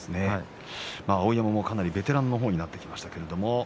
碧山もかなりベテランの方になってきました。